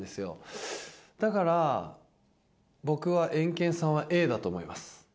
だから僕はエンケンさんはＡだと思います。